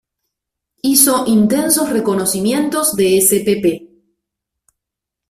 Hizo intensos reconocimientos de spp.